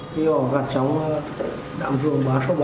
thì họ gặt chóng đạm vườn ba trăm sáu mươi ba